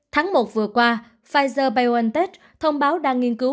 tháng một vừa qua pfizer biontech thông báo đang nghiên cứu